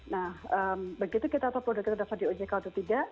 nah begitu kita tahu produknya terdaftar di ojk atau tidak